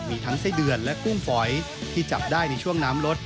มีทั้งไส้เดือนและกุ้งฝอยที่จับได้ในช่วงน้ำลด